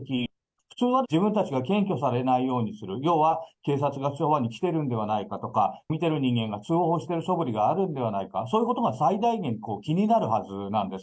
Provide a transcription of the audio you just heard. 普通は自分たちが検挙されないようにする、要は、警察がそばに来ているんではないかとか、見てる人間が通報してるそぶりがあるんではないか、そういうことが最大限気になるはずなんです。